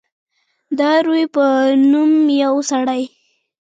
د روي په نوم یو سړی.